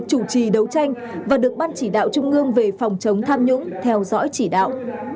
chủ trì đấu tranh và được ban chỉ đạo trung ương về phòng chống tham nhũng theo dõi chỉ đạo